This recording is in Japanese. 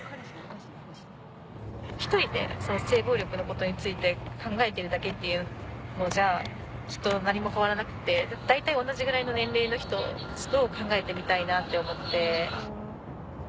一人で性暴力のことについて考えてるだけっていうのじゃきっと何も変わらなくって大体同じぐらいの年齢の人たちと考えてみたいなって思って。